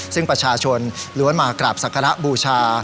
ซึ่งประชาชนล้วนมากราบศักระบูชา